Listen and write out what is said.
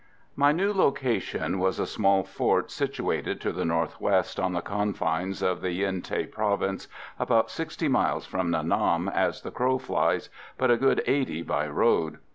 My new location was a small fort situated to the north west, on the confines of the Yen Thé province, about 60 miles from Nha Nam as the crow flies, but a good 80 by road.